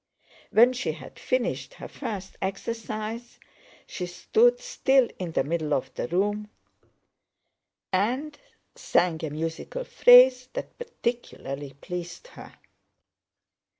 When she had finished her first exercise she stood still in the middle of the room and sang a musical phrase that particularly pleased her.